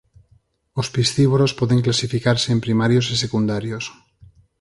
Os piscívoros poden clasificarse en primarios e secundarios.